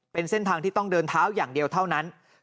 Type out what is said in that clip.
เป็นเส้นทางที่ต้องเดินเท้าอย่างเดียวเท่านั้น